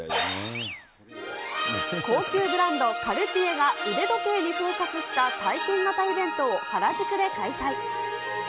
高級ブランド、カルティエが腕時計にフォーカスした体験型イベントを原宿で開催。